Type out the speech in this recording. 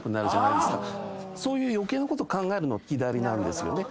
そういう余計なこと考えるの左なんですよね。